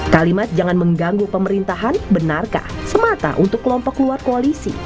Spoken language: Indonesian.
kalimat jangan mengganggu pemerintahan benarkah semata untuk kelompok luar koalisi